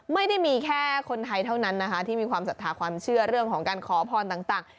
ไม่ได้มีแค่คนไทยเท่านั้นนะคะที่มีความศรัทธาความเชื่อเรื่องของการขอพรต่าง